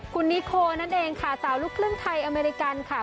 คุณนิโคนั่นเองค่ะสาวลูกครึ่งไทยอเมริกันค่ะ